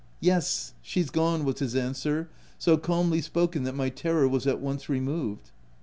" Yes ; she's gone," was his answer, so calmly spoken, that my terror was at once removed.